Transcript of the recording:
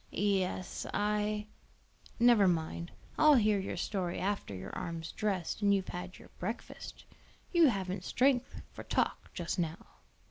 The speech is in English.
"Yes, I " "Never mind; I'll hear your story after your arm's dressed and you've had your breakfast. You haven't strength for talk just now."